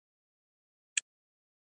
کندهار او هلمند په حوزه جنوب غرب کي واقع دي.